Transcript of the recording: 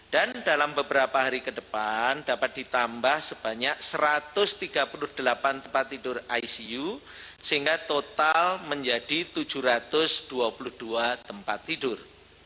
dan dalam beberapa hari ke depan dapat ditambah sebanyak satu ratus tiga puluh delapan tempat tidur icu sehingga total menjadi tujuh ratus dua puluh dua tempat tidur